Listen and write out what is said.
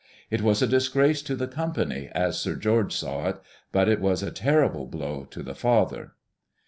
It was a disgrace to the Company as Sir George saw it ; but it was a terrible blow to the father.